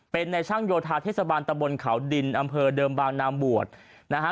เป็นในช่างโยธาเทศบาลตะบนเขาดินอำเภอเดิมบางนามบวชนะฮะ